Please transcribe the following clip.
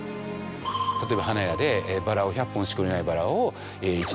例えば花屋でバラを１００本しか売れないバラを。